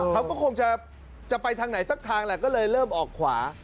เขาก็คงจะไปทางไหนสักทางแหละก็เลยเริ่มออกขวา